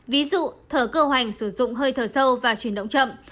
ví dụ thờ cơ hoành sử dụng hơi thở sâu và chuyển động chậm